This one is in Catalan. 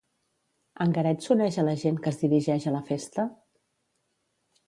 En Garet s'uneix a la gent que es dirigeix a la festa?